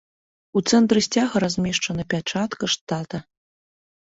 У цэнтры сцяга размешчана пячатка штата.